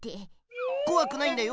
こわくないんだよ